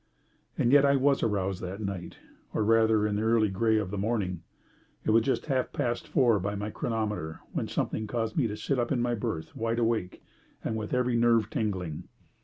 And yet I was aroused that night, or rather in the early grey of the morning. It was just half past four by my chronometer when something caused me to sit up in my berth wide awake and with every nerve tingling.